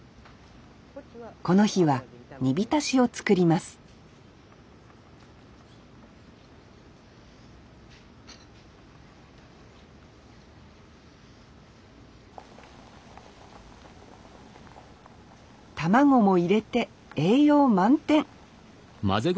この日は煮びたしを作ります卵も入れて栄養満点！